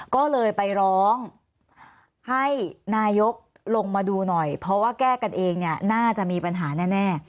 ก็เลยไปร้องให้นายกลงมาดูหน่อยเพราะว่าแก้กันเองเนี่ยน่าจะมีปัญหาแน่